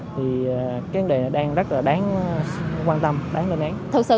thì cái vấn đề này đang rất là đáng quan tâm đáng lên án